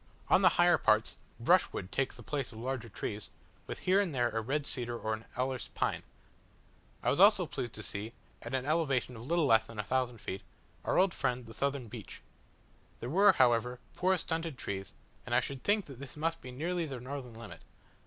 On the higher parts, brushwood takes the place of larger trees, with here and there a red cedar or an alerce pine. I was also pleased to see, at an elevation of a little less than 1000 feet, our old friend the southern beech. They were, however, poor stunted trees, and I should think that this must be nearly their northern limit.